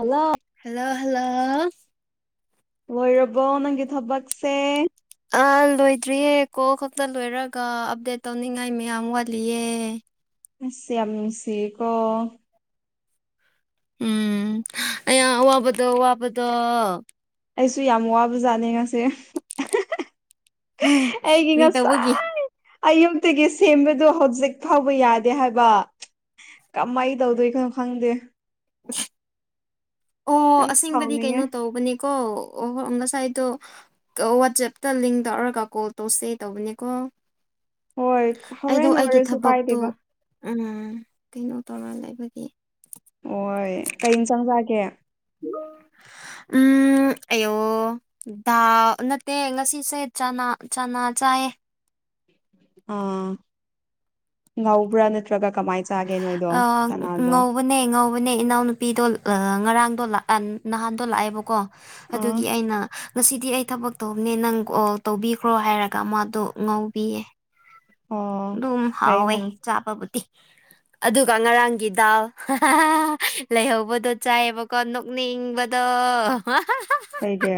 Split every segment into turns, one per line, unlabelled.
ꯑꯂ
hello hello
ꯑꯣꯏꯔꯕꯣ ꯅꯪꯒꯤ ꯊꯕꯛꯁꯦ
ꯑꯥ ꯂꯣꯏꯗ꯭ꯔꯤꯌꯦ ꯀꯣꯜ ꯈꯛꯇ ꯂꯣꯏꯔꯒ ꯑꯞꯗꯦꯠ ꯇꯧꯅꯤꯡꯉꯥꯏ ꯃꯌꯥꯝ ꯋꯥꯠꯂꯤꯌꯦ
ꯑꯁꯤ ꯌꯥꯝꯁꯤꯈꯣ
ꯎꯝ ꯑ ꯋꯥꯕꯠꯇ ꯋꯥꯕꯠꯇ
ꯑꯩꯁꯨ ꯌꯥꯝ ꯋꯥꯕ ꯖꯥꯠꯅꯦ ꯉꯁꯦ
ꯎꯝ ꯔ꯭ꯔꯤꯇ ꯍꯒꯦ
ꯑꯌꯨꯛꯇꯒꯤ ꯁꯦꯝꯕꯗ ꯍꯧꯖꯤꯛ ꯐꯥꯎꯕ ꯌꯥꯗꯦ ꯍꯥꯏꯕ ꯀꯃꯥꯏ ꯇꯧꯗꯣꯏ ꯈꯅꯣ ꯈꯪꯗꯦ
ꯑꯣ
ꯌꯥꯝ
ꯑꯁꯦꯡꯕꯗꯤ
ꯁꯥꯎꯅꯤꯡꯉꯦ
ꯀꯩꯅꯣ ꯇꯧꯕꯅꯦ ꯀꯣ ꯑꯣꯣꯏ ꯉꯁꯥꯏꯗꯣ ꯋꯥꯆꯦꯞꯇ ꯂꯤꯡ ꯇꯧꯔꯒ ꯀꯣꯜ ꯇꯧꯁꯦ ꯇꯧꯕꯅꯦꯀꯣ
ꯍꯣꯏ
ꯑꯩꯗꯣ
ꯍꯣꯔꯦꯟ
ꯑꯩꯒꯤ
ꯑꯣꯏꯔꯁꯨ
ꯊꯕꯛꯇꯣ
ꯀꯥꯏꯗꯦꯕ
ꯎꯝ ꯀꯩꯅꯣ ꯇꯧꯔ ꯂꯩꯕꯒꯤ
ꯑꯣꯣꯏ ꯀꯩ ꯏꯟꯁꯥꯡꯁꯥꯀꯦ
ꯍꯣ ꯎꯝ ꯑꯌꯣ ꯗꯥ ꯅꯠꯇꯦ ꯉꯁꯤꯁꯦ ꯆꯌꯦ
ꯑ ꯉꯎꯕ꯭ꯔꯥ ꯅꯠꯇ꯭ꯔꯒ ꯀꯃꯥꯏꯁꯤ
ꯑ ꯉꯧꯕꯅꯦ ꯉꯧꯕꯅꯦ ꯏꯅꯥꯎꯅꯨꯄꯤꯗꯣ ꯑ ꯉꯔꯥꯡꯗꯣ ꯅꯍꯥꯟꯗꯣ ꯂꯥꯛꯑꯦꯕꯀꯣ
ꯑꯥ
ꯑꯗꯨꯒꯤ ꯑꯩꯅ ꯉꯁꯤꯗꯤ ꯑꯩ ꯊꯕꯛ ꯇꯧꯕꯅꯦ ꯅꯪ ꯀꯣꯜ ꯇꯧꯕꯤꯈ꯭ꯔꯣ ꯍꯥꯏꯔꯒ ꯃꯥꯗꯣ ꯉꯥꯎꯕꯤꯌꯦ
ꯑꯣ
ꯝ ꯍꯥꯎꯋꯦ
ꯐꯩꯅ
ꯆꯥ ꯄꯕꯨꯗꯤꯤ ꯑꯗꯨꯒ ꯉꯔꯥꯡꯒꯤ ꯗꯥꯎꯜ ꯂꯩꯍꯧꯕꯗꯣ ꯆꯥꯏꯑꯕꯀꯣ ꯅꯣꯛꯅꯤꯡꯕꯗꯣ
ꯀꯩꯒꯤ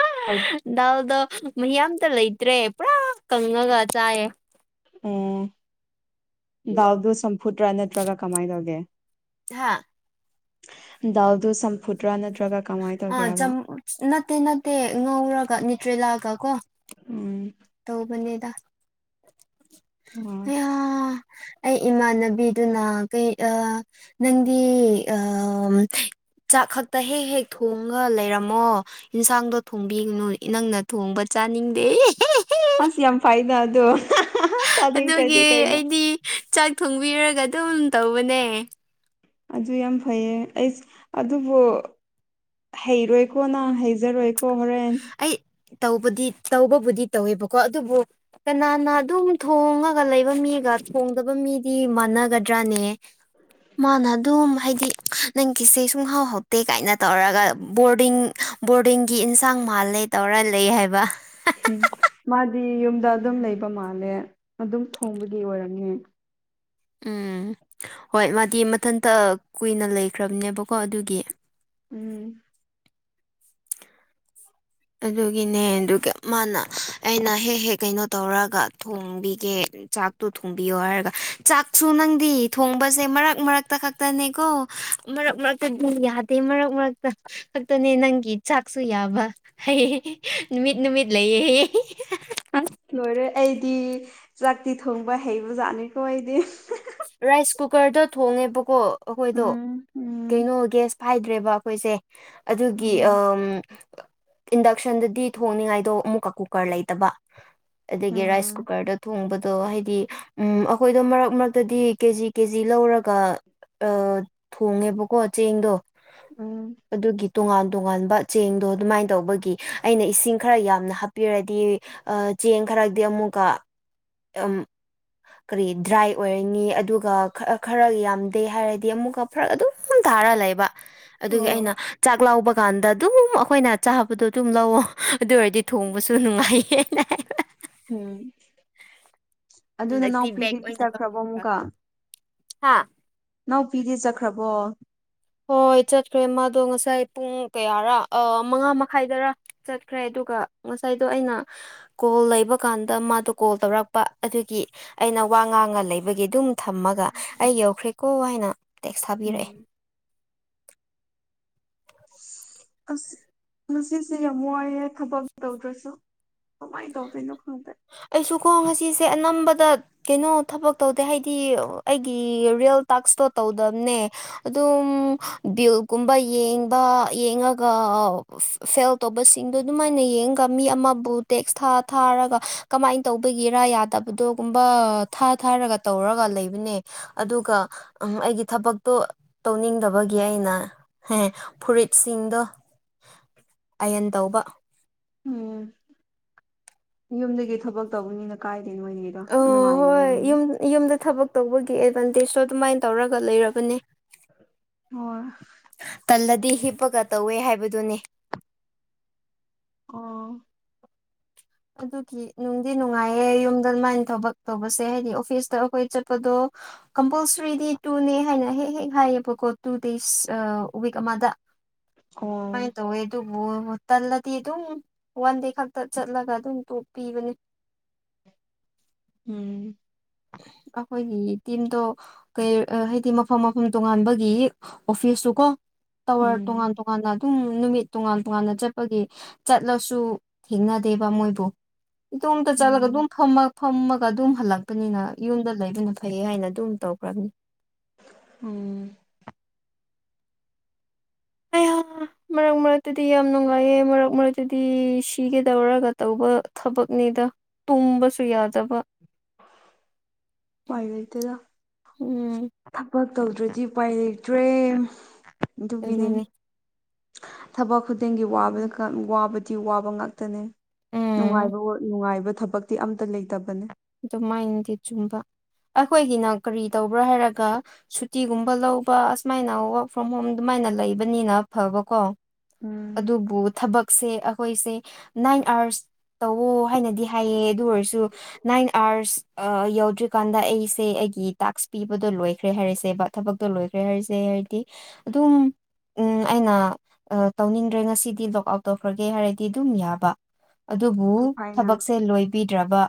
ꯑ
ꯑꯣ
ꯗꯜꯗ ꯃꯌꯥꯝꯇ ꯂꯩꯇ꯭ꯔꯦ ꯄꯨꯔꯥ ꯀꯪꯉꯒ ꯆꯥꯏꯌꯦ
ꯑꯣ ꯗꯥꯎꯗꯣ ꯆꯝꯐꯨꯠꯇ꯭ꯔꯥ ꯅꯠꯇ꯭ꯔꯒ ꯀꯃꯥꯏꯅ ꯇꯧꯒꯦ
ꯍꯥ
ꯗꯎꯗꯨ ꯁꯝꯐꯨꯗ꯭ꯔꯥ ꯅꯠꯇ꯭ꯔ
ꯑ ꯆꯝ ꯃꯠꯇꯦ ꯅꯠꯇꯦ ꯉꯎꯔꯒ ꯅꯅꯤꯇ꯭ꯔꯦꯂꯑꯒ ꯀꯣ
ꯎꯝ
ꯇ ꯃꯅꯦꯗ
ꯑꯣ
ꯑꯩ ꯏꯃꯥꯟꯅꯕꯤꯗꯨꯅ ꯀꯩ ꯅꯪꯗꯤ ꯑ ꯆꯥꯛ ꯈꯛꯇ ꯍꯦꯛ ꯍꯦꯛ ꯊꯣꯡꯉ ꯂꯩꯔꯝꯃꯣ ꯌꯦꯟꯁꯥꯡꯗꯣ ꯊꯣꯡꯕꯤꯒꯅꯨ ꯏ ꯅꯪꯅ ꯊꯣꯡꯕ ꯆꯥꯅꯤꯡꯗꯦ
ꯑꯁ ꯌꯥꯝ ꯐꯥꯏꯗ ꯑꯗꯨꯣ
ꯑꯗꯨꯒꯤ ꯑꯩꯗꯤ ꯆꯥꯛ ꯊꯣꯡꯕꯤꯔꯒ ꯑꯗꯨꯝ ꯇꯧꯕꯅꯦ
ꯑꯗꯨ ꯌꯥꯝ ꯐꯩꯌꯦ ꯑꯩꯁ ꯑꯗꯨꯕꯨ ꯍꯩꯔꯣꯏ ꯀꯣ ꯅ ꯍꯩꯖꯔꯣꯏ ꯀꯣ
ꯑꯩ ꯇꯧꯕꯗꯤ ꯇꯧꯕꯕꯨꯗꯤ ꯇꯧꯋꯦꯕꯀꯣ ꯑꯗꯨꯕꯨ ꯀꯅꯥꯅ ꯑꯗꯨꯝ ꯊꯣꯡꯉꯒ ꯂꯩꯕ ꯃꯤ ꯊꯣꯡꯗꯕ ꯃꯤꯗꯤ ꯃꯥꯟꯅꯒꯗ꯭ꯔꯥꯅꯦ ꯃꯥꯅ ꯑꯗꯨꯝ ꯍꯥꯏꯗꯤ ꯅꯪꯒꯤꯁꯦ ꯁꯨꯡꯍꯥꯎꯍꯥꯎꯇꯦ ꯀꯥꯏꯅ ꯇꯧꯔꯒ ꯕꯣꯔꯗꯤꯡ ꯕꯣꯔꯗꯤꯡꯒꯤ ꯏꯟꯁꯥꯡ ꯃꯥꯜꯂꯦ ꯇꯧꯔ ꯂꯩ ꯍꯥꯏꯕ
ꯎꯝ ꯃꯥꯗꯤ ꯌꯨꯝꯗ ꯑꯗꯨꯝ ꯂꯩꯕ ꯃꯥꯜꯂꯦ ꯑꯗꯨꯝ ꯊꯣꯡꯕꯒꯤ ꯑꯣꯏꯔꯝꯅꯤ
ꯎꯝ ꯍꯣꯏ ꯃꯥꯗꯤ ꯃꯊꯟꯇ ꯀꯨꯏꯅ ꯂꯩꯈ꯭ꯔꯕꯅꯦꯕꯀꯣ ꯑꯗꯨꯒꯤ
ꯎꯝ
ꯑꯗꯨꯒꯤꯅꯦ ꯑꯗꯨꯒ ꯃꯥꯅ ꯑꯩꯅ ꯍꯦꯛ ꯍꯦꯛ ꯀꯩꯅꯣ ꯇꯧꯔꯒ ꯊꯣꯡꯕꯤꯒꯦ ꯆꯥꯛꯇꯣ ꯊꯣꯡꯕꯤꯌꯣ ꯍꯥꯏꯔꯒ ꯆꯥꯛꯁꯨ ꯅꯪꯗꯤ ꯊꯣꯡꯕꯁꯦ ꯃꯔꯛ ꯃꯔꯛꯇ ꯈꯛꯇꯅꯦꯀꯣ ꯃꯔꯛ ꯃꯔꯛꯇꯗꯤ ꯌꯥꯗꯦ ꯃꯔꯛ ꯃꯔꯛꯇ ꯈꯛꯇꯅꯦ ꯅꯪꯒꯤ ꯆꯥꯛꯁꯨ ꯌꯥꯕ ꯍꯥꯏꯌꯦ ꯅꯨꯃꯤꯠ ꯅꯨꯃꯤꯠ ꯂꯩꯌꯦ
ꯑꯁ ꯂꯣꯏꯔꯦ ꯑꯩꯗꯤ ꯆꯥꯛꯇꯤ ꯊꯣꯡꯕ ꯍꯩꯕꯖꯥꯠꯅꯤꯀꯣ ꯑꯩꯗꯤ
ꯔꯥꯏꯁ ꯀꯨꯀꯔꯗ ꯊꯣꯡꯉꯦꯕꯀꯣ ꯑꯩꯈꯣꯏꯗꯣ
ꯎꯝ ꯎꯝ
ꯀꯩꯅꯣ ꯒꯦꯌꯥꯁ ꯐꯥꯏꯗ ꯠꯇ꯭ꯔꯦꯕ ꯑꯩꯈꯣꯏꯁꯦ ꯑꯗꯨꯒꯤ
ꯎꯝ
ꯏꯟꯗꯛꯁꯟꯗꯗꯤ ꯊꯣꯡꯅꯤꯉꯥꯏꯗꯣ ꯑꯃꯨꯛꯀ ꯀꯨꯀꯔ ꯂꯩꯇꯕ ꯑꯗꯒꯤ ꯔꯥꯏꯁ
ꯎꯝ
ꯀꯨꯀꯔꯗ ꯊꯣꯡꯕꯗꯣ ꯍꯥꯏꯗꯤ ꯎꯝ ꯑꯩꯈꯣꯏꯗꯣ ꯃꯔꯛ ꯃꯔꯛ ꯇꯗꯤ ꯀꯦꯖꯤ ꯀꯦ ꯖꯤ ꯂꯧꯔꯒ ꯊꯣꯡꯉꯦꯕꯀꯣ ꯆꯦꯡꯗꯣ
ꯎꯝ
ꯑꯗꯨꯒꯤ ꯇꯣꯉꯥꯟ ꯇꯣꯉꯥꯟꯕ ꯆꯦꯡꯗꯣ ꯑꯗꯨꯃꯥꯏꯅ ꯇꯧꯕꯒꯤ ꯑꯩꯅ ꯏꯁꯤꯡ ꯈꯔ ꯌꯥꯝꯅ ꯍꯥꯞꯄꯤꯔꯗꯤ ꯆꯦꯡ ꯈꯔꯗꯤ ꯑꯃꯨꯛꯀ ꯀꯔꯤ ꯗ꯭ꯔꯥꯏ ꯑꯣꯏꯔꯅꯤꯤ ꯑꯗꯨꯒ ꯈꯔ ꯌꯥꯝꯗꯦ ꯍꯥꯏꯔꯗꯤ ꯑꯃꯨꯛꯀ ꯐꯔ ꯑꯗꯨꯝ ꯊꯥꯔ ꯂꯩꯕ ꯑꯗꯨꯒꯤ
ꯑꯣ
ꯑꯩꯅ ꯆꯥꯛ ꯂꯥꯎꯕ ꯗꯨꯀꯥꯟꯗ ꯑꯗꯨꯝ ꯑꯩꯈꯣꯏꯅ ꯆꯥꯕꯗꯣ ꯑꯗꯨꯝ ꯂꯧꯑꯣꯣ ꯑꯗꯨ ꯑꯣꯏꯔꯗꯤ ꯊꯣꯡꯕꯁꯨ ꯅꯨꯡꯉꯥꯏꯌꯦꯅꯅ
ꯎꯝ ꯑꯗꯨ
ꯍꯟꯗꯛꯇꯤ
ꯅꯅꯥꯎꯄꯤꯗꯤꯗꯤ ꯆꯠꯈ꯭ꯔꯕꯣ ꯑꯃꯨꯛꯀ
ꯍꯥꯥ
ꯅꯥꯎꯄꯤꯗꯤ ꯆꯠꯈ꯭ꯔꯕꯣ
ꯍꯣꯏꯣꯏ ꯆꯠꯈ꯭ꯔꯦ ꯃꯥꯗꯣ ꯉꯁꯥꯏ ꯄꯨꯡ ꯀꯌꯥꯔ ꯃꯉꯥ ꯃꯈꯥꯏꯗꯔ ꯆꯠꯈ꯭ꯔꯦ ꯑꯗꯨꯒ ꯉꯥꯏꯩꯅ ꯀ ꯀ ꯀꯣ ꯇꯛ ꯑꯩꯅ ꯄꯉꯥꯡꯒ ꯂꯩꯕꯒꯤ ꯑꯗꯨꯝ ꯊꯝꯃꯒ ꯑꯩ ꯌꯧꯈ꯭ꯔꯦꯀꯣ ꯍꯥꯏꯅ ꯇꯦꯛꯁ ꯊꯥꯕꯤꯔꯛꯑꯦ
ꯎꯝ ꯑꯁ ꯉꯁꯤꯁꯦ ꯌꯥꯝ ꯋꯥꯏꯑꯦ ꯊꯕꯛ ꯇꯧꯗ꯭ꯔꯁꯨ ꯀꯃꯥꯏꯗ ꯄ ꯅ ꯈꯣꯏ
ꯑꯩꯁꯨ ꯈꯣꯡ ꯉꯁꯤꯁꯦ ꯑꯅꯝꯕꯗ ꯀꯩꯅꯣ ꯊꯕꯛ ꯇꯧꯗꯦ ꯍꯥꯏꯗꯤ ꯑꯩꯒꯤ [inaudible] [inaudible] ꯐꯦꯜ ꯇꯧꯕꯁꯤꯡꯗꯣ ꯑꯗꯨꯃꯥꯏꯅ ꯌꯦꯡꯉꯒ ꯃꯤ ꯑꯃꯕꯨ ꯇꯦꯛꯁ ꯊꯥ ꯊꯥꯔꯒ ꯀꯃꯥꯏꯅ ꯇꯧꯕꯒꯤꯔꯥ ꯌꯥꯗꯕꯗꯣꯒꯨꯝꯕ ꯊꯥ ꯊꯥꯔꯒ ꯇꯧꯔꯒ ꯂꯩꯕꯅꯦ ꯑꯗꯨꯒ ꯎꯝ ꯑꯩꯒꯤ ꯊꯕꯛꯇꯣ ꯇꯧꯅꯤꯡꯗꯕꯒꯤ ꯑꯩꯅ ꯍ ꯐꯨꯔꯤꯠꯁꯤꯡꯗꯣ ꯑꯟ ꯇꯧꯕ
ꯎꯝ ꯌꯨꯝꯗꯒꯤ ꯊꯕꯛ ꯇꯧꯕꯅꯤꯅ ꯀꯥꯏꯗ ꯑꯣꯏꯒ
ꯑ
ꯅꯅꯨꯡꯉꯥꯏꯅ
ꯍꯣꯏ ꯌꯨꯝ ꯌꯨꯝꯗ ꯊꯕꯛ ꯇꯧꯕꯒꯤ ꯑꯦꯗꯚꯥꯟꯇꯦꯖꯇ ꯑꯗꯨꯃꯥꯏꯅ ꯇꯧꯔꯒ ꯂꯩꯔꯕꯅꯦ
ꯍ
ꯗꯤ ꯍꯤꯞꯄꯒ ꯇꯧꯋꯦ ꯍꯥꯏꯕꯗꯨꯅꯤ
ꯑꯣ
ꯑꯗꯨꯒꯤ ꯅꯨꯡꯗꯤ ꯅꯨꯡꯉꯥꯏꯌꯦ ꯌꯨꯝꯗ ꯑꯗꯨꯃꯥꯏꯅ ꯊꯕꯛ ꯇꯧꯕꯁꯦ ꯍꯥꯏꯗꯤ ꯑꯣꯐꯤꯁꯇ ꯑꯩꯈꯣꯏ ꯆꯠꯄꯗꯣ ꯀꯝꯄꯜꯁꯔꯤ ꯗ ꯇꯨꯅꯦ ꯍꯥꯏꯅ ꯍꯦꯛ ꯍꯦꯛ ꯍꯥꯏꯌꯦꯕꯀꯣ ꯇꯨ ꯗꯦꯁ ꯋꯤꯛ ꯑꯃꯗ
ꯑꯣ
ꯑꯗꯨꯃꯥꯏꯅ ꯇꯧꯋꯦ ꯑꯗꯨꯕꯨ ꯇꯜꯂꯗꯤ ꯑꯗꯨꯝ ꯋꯥꯟ ꯗꯦ ꯈꯛꯇ ꯆꯠꯂꯒ ꯁꯟꯇꯣꯞꯄꯤꯤꯕꯅꯤ
ꯎꯝ
[inaudible] ꯑꯩꯈꯣꯏꯒꯤ ꯇꯤꯝꯗꯣ ꯀ ꯍꯥꯏꯗꯤ ꯃꯐꯝ ꯃꯐꯝ ꯇꯣꯉꯥꯟꯕꯒꯤ ꯑꯣꯐꯤꯁꯇꯨ ꯀꯣ ꯇꯧꯔ ꯇꯣꯉꯥꯟ
ꯎꯝ
ꯇꯣ ꯀꯥꯟ ꯑꯗꯨꯝ ꯅꯨꯃꯤꯠ ꯇꯣꯉꯥꯟ ꯇꯣꯉꯥꯟꯅ ꯆꯠꯄꯒꯤ ꯆꯠꯂꯁꯨ ꯊꯦꯡꯅꯗꯦꯕ ꯃꯣꯏꯕꯨ ꯏꯇꯨꯡꯇ ꯆꯠꯂꯒ ꯑꯗꯨꯝ
ꯎꯝ
ꯐꯝ ꯐꯝꯃꯒ ꯑꯗꯨꯝ ꯍꯜꯂꯒꯦ ꯂꯄꯅꯤꯅ ꯌꯨꯝꯗ ꯂꯩꯕꯅ ꯐꯩꯌꯦ ꯍꯥꯏꯅ ꯑꯗꯨꯝ ꯇꯧꯈ꯭ꯔꯕꯅꯤ
ꯎꯝ
ꯍꯣꯏ ꯍꯣꯏ ꯃꯔꯛ ꯃꯔꯛꯇꯗꯤ ꯌꯥꯝ ꯅꯨꯡꯉꯥꯏꯌꯦ ꯃꯔꯛ ꯃꯔꯛꯇꯗꯤ ꯁꯤꯒꯗꯧꯔꯒ ꯇꯧꯕ ꯊꯕꯛꯅꯤ ꯇꯨꯝꯕꯁꯨ ꯌꯥꯗꯕ
ꯠꯇꯗ
ꯎꯝ
ꯇꯧꯗ꯭ꯔꯗꯤ ꯎꯄꯥꯏ ꯂꯩꯛꯇ꯭ꯔꯦ ꯑꯗꯨꯒꯤꯅꯦ
ꯑꯗꯨꯅꯤ
ꯊꯕꯛ ꯈꯨꯗꯤꯡꯒꯤ ꯋꯥꯕꯗꯤ ꯋꯥꯕ ꯉꯥꯛꯇꯅꯤ
ꯎꯝ
ꯅꯨꯡꯉꯥꯏꯕ ꯅꯨꯡꯉꯥꯏꯕ ꯊꯕꯛꯇꯤ ꯑꯝꯇ ꯂꯩꯇꯕꯅꯦ
ꯑꯗꯨꯃꯥꯏꯟꯗꯤ ꯆꯨꯝꯕ ꯑꯩꯈꯣꯏꯒꯤꯅ ꯀꯔꯤ ꯇꯧꯕ꯭ꯔꯥ ꯍꯥꯏꯔꯒ ꯁꯨꯇꯤꯒꯨꯝꯕ ꯂꯧꯕ ꯑꯁꯨꯃꯥꯏꯅ ꯋꯥꯋꯔꯛ ꯐ꯭ꯔꯣꯝ ꯍꯣꯝ ꯑꯗꯨꯃꯥꯏꯅ ꯅ ꯂꯩꯕꯅꯤꯅ ꯐꯕꯀꯣ
ꯎꯝ
ꯑꯗꯨꯕꯨ ꯊꯕꯛꯁꯦ ꯑꯩꯈꯣꯏꯁꯦ ꯅꯥꯏꯟ ꯑꯥꯋꯔꯁ ꯇꯧꯋ ꯍꯥꯏꯅꯗꯤ ꯍꯥꯏꯌꯦ ꯑꯗꯨ ꯑꯣꯏꯔꯁꯨ ꯅꯥꯏꯟ ꯑꯥꯔꯁ ꯌꯧꯗ꯭ꯔꯤꯀꯥꯟꯗ ꯑꯩꯁꯦ ꯑꯩꯒꯤ ꯇꯥꯛꯁ ꯄꯤꯕꯗꯣ ꯂꯣꯏꯈ꯭ꯔꯦ ꯍꯥꯏꯔꯁꯦꯕ ꯊꯕꯛꯇꯣ ꯂꯣꯏꯈ꯭ꯔꯦ ꯍꯥꯏꯔꯤꯁꯦ ꯍꯥꯏꯗꯤ ꯑꯗꯨꯝ ꯎꯝ ꯑꯩꯅ ꯇꯧꯅꯤꯡꯗ꯭ꯔꯦ ꯉꯁꯤꯗꯤ ꯂꯣꯛ ꯑꯥꯎꯠ ꯇꯧꯈ꯭ꯔꯒꯦ ꯍꯥꯏꯔꯗꯤ ꯑꯗꯨꯝ ꯌꯥꯕ ꯑꯗꯨꯕꯨ
ꯑꯗꯨ ꯐꯥꯏꯅ
ꯊꯕꯛꯁꯦ ꯂꯣꯏꯕꯤꯗ꯭ꯔꯕ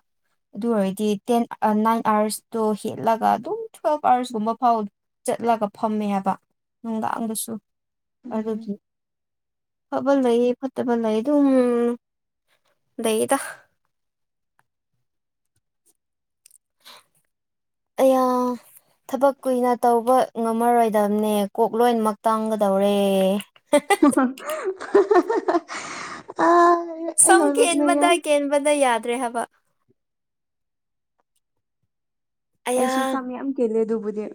ꯑꯗꯨ ꯑꯣꯏꯔꯗꯤ ꯇꯦꯟ ꯅꯥꯏꯟ ꯑꯥꯋꯔꯁꯇꯣ ꯍꯦꯠꯂꯒ ꯑꯗꯨꯝ ꯇꯨꯋꯦꯜꯕ ꯑꯥꯋꯔꯁꯀꯨꯝꯕ ꯐꯥꯎ ꯆꯠꯂꯒ ꯐꯝꯃꯦꯕ ꯅꯨꯡꯗꯥꯡꯗꯁꯨ
ꯎꯝ
ꯑꯗꯨꯒꯤ ꯐꯕ ꯂꯩ ꯐꯠꯇꯕ ꯂꯩ ꯑꯗꯨꯝ ꯂꯩꯗ [unintelligible] ꯑ ꯌꯥꯝ ꯊꯕꯛ ꯀꯨꯏꯅ ꯇꯧꯕ ꯉꯝꯃꯔꯣꯏꯗꯕꯅꯦ ꯀꯣꯛ ꯂꯣꯏꯅꯃꯛ ꯇꯥꯡꯒꯗꯧꯔꯦ
ꯑ ꯑꯩ
ꯁꯝ
ꯌꯥꯝ ꯅꯣꯛꯅꯤꯡꯉꯦ
ꯀꯦꯟꯕꯗ ꯀꯦꯟꯕꯗ ꯌꯥꯗ꯭ꯔꯦ ꯍꯥꯏꯕ ꯑꯌꯥ
ꯑꯩꯁꯨ ꯁꯝ ꯌꯥꯝ ꯀꯦꯂꯦ ꯑꯗꯨꯕꯨꯗꯤ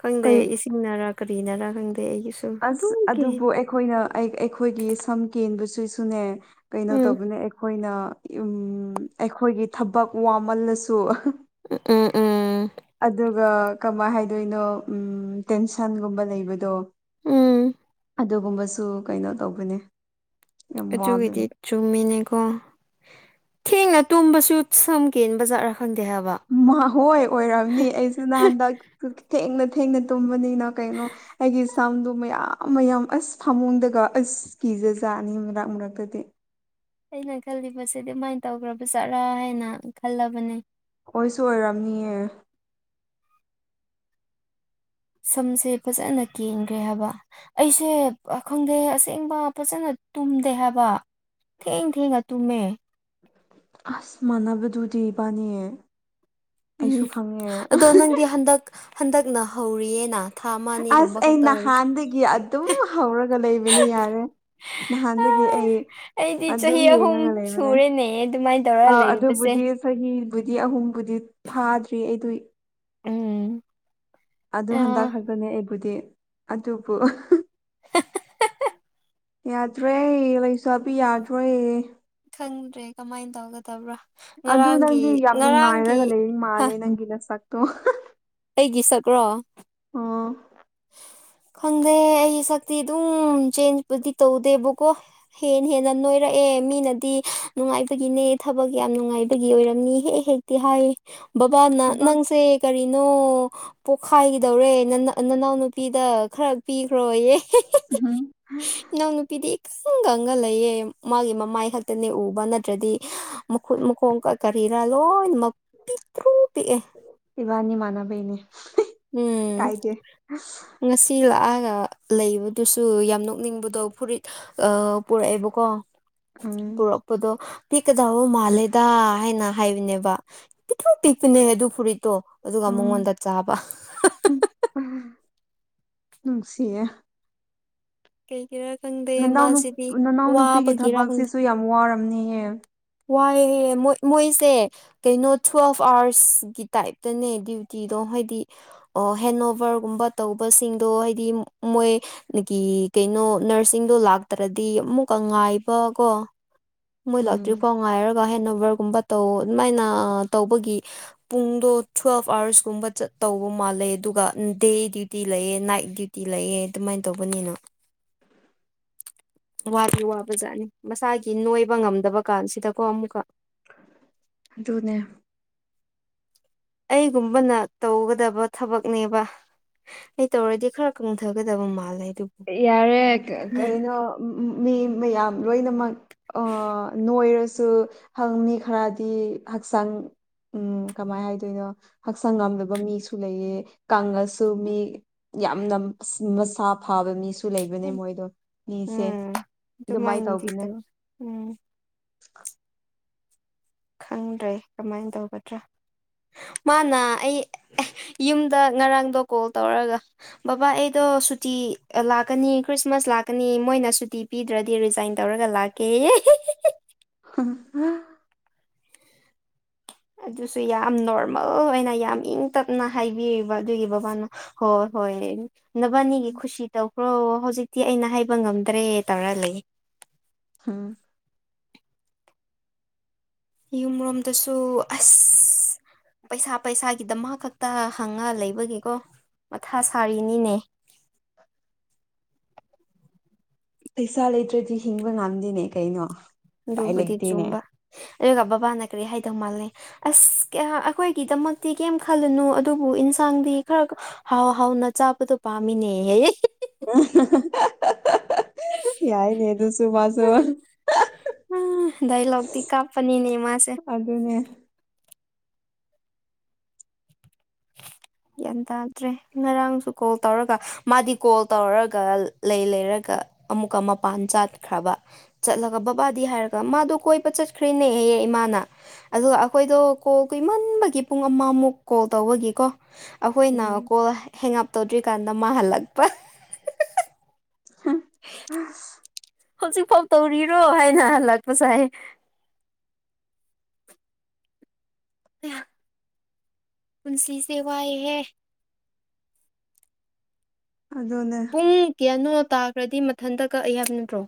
ꯈꯪꯗꯦ
ꯀꯩ
ꯏꯁꯤꯡꯅꯔ ꯀꯔꯤꯅꯔꯥ ꯈꯪꯗꯦ ꯑꯩꯒꯤꯁꯨ
ꯑꯁ
ꯑꯗꯨꯝ ꯀꯦ
ꯑꯗꯨꯕꯨ ꯑꯩꯈꯣꯏꯅ ꯑꯩꯈꯣꯏꯒꯤ ꯁꯝ ꯀꯦꯟꯕꯕꯁꯤꯁꯨꯅꯦ ꯀꯩꯅꯣ
ꯎꯝ
ꯇꯧꯕꯅꯦ ꯑꯩꯈꯣꯏꯅ ꯑꯩꯈꯣꯏꯒꯤ ꯊꯕꯛ ꯋꯥꯃꯜꯂꯁꯨ
ꯎꯝ ꯎꯝ
ꯑꯗꯨꯒ ꯀꯃꯥꯏꯅ ꯍꯥꯏꯗꯣꯏꯅꯣ ꯎ ꯇꯦꯟꯁꯟꯒꯨꯝꯕ ꯂꯩꯕꯗꯣ
ꯎꯝ
ꯑꯗꯨꯒꯨꯝꯕꯁꯨ ꯀꯩꯅꯣ ꯇꯧꯕꯅꯤ
ꯑꯗꯨꯒꯤꯗꯤ ꯆꯨꯝꯃꯤꯅꯦꯀꯣ ꯊꯦꯡꯅ ꯇꯨꯝꯕꯁꯨ ꯁꯝꯒꯦ ꯕꯖꯥꯔ
ꯃꯈꯣꯏ ꯑꯣꯏꯔꯝꯅꯤ ꯑꯩꯁꯨ ꯅ ꯍꯟꯗꯛ ꯊꯦꯡꯅ ꯊꯦꯡꯅ ꯇꯨꯝꯕꯅꯤꯅ ꯀꯩꯅꯣ ꯑꯩꯒꯤ ꯏꯁꯝꯗꯣ ꯃꯌꯥꯝ ꯃꯌꯥꯝ ꯑꯁ ꯐꯥꯃꯨꯡꯗꯒ ꯑꯁꯀꯤ ꯤꯖ ꯆꯥ ꯑꯅꯤ ꯑꯨꯝ ꯂꯥꯛ ꯃꯔꯨꯔꯛꯇꯗꯤ
ꯑꯩꯅ ꯈꯜꯂꯤꯕꯁꯤꯗꯤ ꯑꯗꯨꯃꯥꯏꯅ ꯇꯧꯈ꯭ꯔꯕ ꯆꯠꯔꯥ ꯍꯥꯏꯅ ꯈꯜꯂꯕꯅꯦ
ꯑꯣꯏꯁꯨ ꯑꯣꯏꯔꯝꯅꯤꯑ
ꯁꯝꯁꯦ ꯐꯖꯅ ꯀꯦꯟꯈ꯭ꯔꯦ ꯍꯥꯏꯕ ꯑꯩꯁꯦ ꯈꯪꯗꯦ ꯑꯁꯦꯡꯕ ꯐꯖꯅ ꯇꯨꯝꯗꯦ ꯍꯥꯏꯕ ꯊꯦꯡ ꯊꯦꯡꯉ ꯇꯨꯝꯃꯦ
ꯑꯁ ꯃꯥꯟꯅꯕꯗꯨꯗꯤꯕꯥꯅꯤꯌꯦ
ꯎꯝ ꯑꯗꯣ ꯅꯪꯗꯤ ꯍꯟꯗꯛ ꯍꯟꯗꯛꯅ ꯍꯧꯔꯤꯌꯦꯅ ꯊꯥ ꯑꯃ
ꯑꯁ
ꯑꯅꯤꯒꯨꯝꯕ
ꯑꯩ
ꯈꯛꯇ ꯑꯣꯏꯔꯤ
ꯅꯍꯥꯟꯗꯒꯤ ꯑꯗꯨꯝ ꯍꯧꯔꯒ ꯂꯩꯕꯅꯦ ꯌꯥꯔꯦ ꯅꯍꯥꯟꯗꯒꯤ ꯑꯩ
ꯑꯩꯗꯤ
ꯑꯗꯨꯝ
ꯆꯍꯤ ꯑꯍꯨꯝ
ꯌꯦꯡꯉꯒ ꯂꯩꯕꯅꯦ
ꯁꯨꯔꯦꯅꯦ ꯑꯗꯨꯃꯥꯏꯅ ꯇꯧꯔ
ꯑ
ꯂꯩꯔꯤꯕꯁꯦ
ꯑꯗꯨꯕꯨꯗꯤ ꯆꯍꯤꯕꯨꯗꯤ ꯑꯍꯨꯝꯕꯨꯗꯤ ꯐꯥꯗ꯭ꯔꯤ ꯑꯩꯗ
ꯎꯝ
ꯑꯗꯨ
ꯑ
ꯍꯟꯗꯛ ꯈꯛꯇꯅꯦ ꯑꯩꯕꯨꯗꯤ ꯑꯗꯨꯕꯨ
[inaudible]
ꯌꯥꯗ꯭ꯔꯦ ꯂꯩꯁꯥꯕꯤ ꯌꯥꯗ꯭ꯔꯣꯏ
ꯈꯪꯗ꯭ꯔꯦ ꯀꯃꯥꯏꯅ ꯇꯧꯒꯗꯦ
ꯑꯗꯨ ꯅꯪꯗꯤ ꯌꯥꯝ
ꯉꯔꯥꯡꯒꯤ
ꯅꯨꯡꯉꯥꯏꯔꯒ ꯂꯩꯔꯤ
ꯍꯥ
ꯃꯥꯜꯂꯦ ꯅꯪꯒꯤ ꯅꯁꯛꯇꯣ
ꯑꯩꯒꯤ ꯁꯛꯔꯣ
ꯑꯣ
ꯈꯪꯗꯦ ꯑꯩ ꯁꯛꯇꯤ ꯑꯗꯨꯝ ꯆꯦꯟꯖꯄꯨꯗꯤ ꯇꯧꯗꯦꯕꯀꯣ ꯍꯦ ꯍꯦꯟꯅ ꯅꯣꯏꯔꯛꯑꯦ ꯃꯤꯅꯗꯤ ꯅꯨꯡꯉꯥꯏꯕꯒꯤꯅꯦ ꯊꯕꯛ ꯌꯥꯝ ꯅꯨꯡꯉꯥꯏꯕꯒꯤ ꯑꯣꯏꯔꯝꯅꯤ ꯍꯦꯛ ꯍꯦꯛꯇꯤ ꯍꯥꯏ ꯕꯕꯥꯅ
ꯊꯕꯛ
ꯅꯪꯁꯦ ꯀꯔꯤꯅꯣ ꯅ ꯄꯣꯛꯈꯥꯏꯒꯤꯗꯧꯔꯦ ꯅꯅꯥꯎꯅ ꯅꯨꯄꯤꯗ ꯈꯔ ꯄꯤ ꯔꯣꯏꯌꯦ
ꯎꯝ
ꯅꯎ ꯅꯨꯄꯤꯗꯤ ꯁꯪꯒꯪꯒ ꯂꯩꯌꯦ ꯃꯥꯒꯤ ꯃꯃꯥꯏ ꯈꯛꯇꯅꯦ ꯎꯕ ꯅꯠꯇ꯭ꯔꯗꯤ ꯃꯈꯨꯠ ꯃꯈꯣꯡꯒ ꯀꯔꯤꯔꯥ ꯂꯣꯏꯅꯃꯛ ꯄꯤꯛꯇ꯭ꯔꯨ ꯄꯤꯛꯑꯦ
ꯔꯅꯤ ꯃꯥꯟꯅꯕꯅꯦ
ꯎꯝ ꯉꯁꯤ ꯂꯥꯛꯑꯒ ꯂꯩꯕꯗꯨꯁꯨ ꯌꯥꯝ ꯅꯣꯛꯅꯤꯡꯕꯗꯣ ꯐꯨꯔꯤꯠ ꯑ ꯄꯨꯔꯛꯑꯦꯕꯀꯣ
ꯎꯝ
ꯄꯨꯔꯛꯄꯗꯣ ꯄꯤꯛꯀꯗꯕ ꯃꯥꯜꯂꯦꯗ ꯍꯥꯏꯅ ꯍꯥꯏꯔꯤꯅꯦꯕ ꯑꯗꯨꯨꯝ ꯄꯤꯛꯄꯅꯦ ꯑꯗꯨ ꯐꯨꯔꯤꯠꯇꯣ ꯑꯗꯨꯒ ꯃꯉꯣꯟꯗ ꯆꯥꯕ
ꯎꯝ ꯁꯤꯌꯦ
ꯀꯩ ꯀꯩ
ꯅꯅꯥꯎ ꯅꯅꯥꯎꯅ ꯅꯨꯄꯤꯒꯤ ꯊꯕꯛꯁꯤꯁꯨ ꯌꯥꯝ ꯋꯥꯔꯝꯅꯤꯌꯦ
ꯋꯥꯏꯑꯦꯣꯏ ꯃꯣꯏꯁꯦ ꯀꯩꯅꯣ ꯇꯨꯋꯦꯜꯐ ꯑꯥꯋꯔꯁꯀꯤ ꯇꯥꯏꯞꯇꯅꯦ ꯗ꯭ꯌꯨꯇꯤꯗꯣ ꯍꯥꯏꯗꯤ ꯑꯣ ꯍꯦꯟ ꯑꯣꯕꯔꯒꯨꯝꯕ ꯇꯧꯕꯁꯤꯡꯗꯣ ꯍꯥꯏꯗꯤ ꯃꯣꯏꯒꯤ ꯀꯩꯅꯣ ꯅꯔꯁꯤꯡꯗꯣ ꯂꯥꯛꯇ꯭ꯔꯗꯤ ꯑꯃꯨꯛꯀ ꯉꯥꯏꯕꯀꯣ ꯃꯣꯏ
ꯎꯝ
ꯂꯇ꯭ꯔꯤ ꯐꯥꯎꯉꯥꯏꯔ ꯕ ꯍꯦꯟ ꯑꯣꯕꯔꯒꯨꯝꯕ ꯇꯧ ꯑꯗꯨꯃꯥꯏꯅ ꯇꯧꯕꯒꯤ ꯄꯨꯡꯗꯣ ꯊꯨꯋꯦꯜꯐ ꯑꯥꯋꯔꯁ ꯀꯨꯝꯕ ꯆꯠ ꯇꯧꯕ ꯃꯥꯜꯂꯦ ꯑꯗꯨꯒ ꯗꯦ ꯗ꯭ꯌꯨꯇꯤ ꯂꯩꯑꯦ ꯅꯥꯏꯠ ꯗ꯭ꯌꯨꯇꯤ ꯂꯩꯑꯦ ꯑꯗꯨꯃꯥꯏꯅ ꯇꯧꯕꯅꯤꯅ [inaudible] ꯋꯥꯗꯤ ꯋꯥꯕ ꯖꯥꯠꯅꯤ ꯃꯁꯥꯒꯤ ꯅꯣꯏꯕ ꯉꯝꯗꯕ ꯀꯥꯟꯁꯤꯗꯀꯣ ꯑꯃꯨꯛꯀ [inaudible]
ꯑꯗꯨꯅꯦ
ꯑꯩꯒꯨꯝꯕꯅ ꯇꯧꯒꯗꯕ ꯊꯕꯛꯅꯦꯕ ꯑꯩ ꯇꯧꯔꯗꯤ ꯈꯔ ꯀꯪꯊꯒꯗꯕ ꯃꯥꯜꯂꯦ ꯑꯗꯨꯕꯨ
ꯌꯥꯔꯦ ꯀꯩꯅꯣ ꯃꯤ ꯃꯌꯥꯝ ꯂꯣꯏꯅꯃꯛ ꯁꯦ ꯅꯣꯏꯔꯁ ꯁꯨ ꯍꯪ ꯃꯤ ꯈꯔꯗꯤ ꯍꯛꯆꯥꯡ ꯎꯝ ꯀꯃꯥꯏꯅ ꯍꯥꯏꯗꯣꯏꯅꯣ ꯍꯛꯆꯥꯡ ꯉꯝꯗꯕ ꯃꯤꯁꯨ ꯂꯩꯌꯦ ꯀꯪꯂꯉꯁꯨ ꯃꯤ ꯌꯥꯝꯅ ꯃꯁꯥ ꯐꯥꯕ ꯃꯤꯁꯨ ꯁꯨ ꯂꯩꯕꯅꯦ ꯃꯣꯏꯗꯣ ꯃꯤꯁꯦ
ꯎꯝ
ꯑꯗꯨꯃꯥꯏꯅ
ꯑꯗꯨꯃꯥꯏꯅꯗꯤ
ꯇꯧꯕꯅꯦ
ꯇꯧ ꯎꯝ
[unintelligible]
ꯈꯪꯗ꯭ꯔꯦ ꯀꯃꯥꯏꯟ ꯇꯧꯒꯗ꯭ꯔꯥ ꯃꯥꯅ ꯑꯩ ꯌꯨꯝꯗ ꯉꯔꯥꯡꯗꯣ ꯀꯣꯜ ꯇꯧꯔꯒ ꯕꯕꯥ ꯑꯩꯗꯣ ꯁꯨꯇꯤ ꯂꯥꯛꯀꯅꯤ ꯈ꯭ꯔꯤꯁꯃꯥꯁ ꯂꯥꯛꯀꯅꯤ ꯃꯣꯏꯅ ꯁꯨꯇꯤ ꯄꯤꯗ꯭ꯔꯗꯤ ꯔꯤꯖꯥꯏꯟ ꯇꯧꯔꯒ ꯂꯥꯛꯀꯦ [unintelligible]
[unintelligible]
ꯑꯗꯨꯁꯨ ꯌꯥꯝ ꯅꯣꯔꯃꯜ ꯑꯣꯏꯅ ꯌꯥꯝ ꯏꯪ ꯇꯞꯅ ꯍꯥꯏꯕꯤꯔꯤꯕ ꯑꯗꯨꯒꯤ ꯕꯕꯥꯅ ꯍꯣ ꯍꯣꯏ ꯅꯕꯥꯅꯤꯒꯤ ꯈꯨꯁꯤ ꯇꯧꯈ꯭ꯔꯣ ꯍꯧꯖꯤꯛꯇꯤ ꯑꯩꯅ ꯍꯥꯏꯕ ꯉꯝꯗ꯭ꯔꯦ ꯇꯧꯔ ꯂꯩ
ꯍꯨꯝ
ꯌꯨꯝꯔꯣꯝꯗꯁꯨ ꯑꯁ ꯄꯩꯁꯥ ꯄꯩꯁꯥꯒꯤꯗꯃꯛ ꯈꯛꯇ ꯍꯪꯉ ꯂꯩꯕꯒꯤꯀꯣ ꯃꯊꯥ ꯁꯥꯔꯤꯅꯤꯅꯦ
[inaudible] ꯄꯩꯁꯥ ꯂꯩꯇ꯭ꯔꯗꯤ ꯍꯤꯡꯕ ꯉꯝꯗꯦꯅꯦ ꯀꯩꯅꯣ ꯎꯄꯥꯏ
ꯗꯨꯕꯨꯗꯤ
ꯂꯩꯇꯦꯅꯦ
ꯆꯨꯝꯕ ꯑꯒ ꯕꯕꯥꯅ ꯀꯔꯤ ꯍꯥꯏꯗꯧ ꯃꯥꯜꯂꯦ ꯑꯁ ꯑꯩꯈꯣꯏꯒꯤꯗꯃꯛꯇꯤ ꯀꯩꯝ ꯈꯜꯂꯨꯅꯨ ꯑꯗꯨꯕꯨ ꯏꯟꯁ ꯆꯥꯡꯗꯤ ꯈꯔ ꯍꯥꯎ ꯍꯥꯎꯅ ꯆꯥꯕꯗꯣ ꯄꯥꯝꯃꯤꯅꯦꯍ
ꯎꯝ ꯌꯥꯏꯅꯦ ꯑꯗꯨꯨꯁꯨꯨ ꯃꯁꯨ
ꯗꯥꯏꯂꯣꯛꯇꯤ ꯀꯥꯞꯄꯅꯤꯅꯦ ꯃꯥꯁꯦ
ꯑꯗꯨ ꯅꯦ
ꯒ꯭ꯌꯥꯟ ꯇꯥꯗ꯭ꯔꯦ ꯉꯔꯥꯡꯁꯨ ꯀꯣꯜ ꯇꯧꯔꯒ ꯃꯥꯗꯤ ꯀꯣꯜ ꯇꯧꯔꯒ ꯂꯩ ꯂꯩꯔ ꯒ ꯑꯃꯨꯛꯀ ꯃꯄꯥꯟ ꯆꯥꯠꯈ꯭ꯔꯕ ꯆꯠꯂꯒ ꯕꯕꯥꯗꯤ ꯍꯥꯏꯔꯒ ꯃꯥꯗꯣ ꯀꯣꯏꯕ ꯆꯠꯈ꯭ꯔꯦꯅꯦ ꯑꯦ ꯏꯃꯥꯅ ꯑꯗꯨꯒ ꯑꯩꯈꯣꯏꯗꯣ ꯀꯣꯜ ꯀꯨꯏꯃꯟꯕꯒꯤ ꯄꯨꯡ ꯑꯃꯃꯨꯛ ꯀꯣꯜ ꯇꯧꯕꯒꯤꯀꯣ ꯑꯈꯣꯏꯅ
ꯎꯝ
ꯀꯣꯜ ꯍꯦꯡꯑꯞ ꯇꯧꯗ꯭ꯔꯤꯀꯥꯟꯗ ꯃꯥꯍꯜꯂꯛꯄ [unintelligible] ꯍꯧꯖꯤꯛꯐꯥꯎ ꯇꯧꯔꯤꯔꯣ ꯍꯥꯏꯅ ꯍꯜꯂꯛꯄꯁꯥꯏ [unintelligible] ꯄꯨꯟꯁꯤ ꯁꯦ ꯋꯥꯏ ꯍꯦ
ꯑꯗꯨꯅꯦ
ꯄꯨꯡ ꯀꯌꯥꯅꯣ ꯇꯥꯈ꯭ꯔꯗꯤ ꯃꯊꯟꯇ ꯀꯛꯑꯩ ꯍꯥꯕ ꯅꯠꯇ꯭ꯔꯣ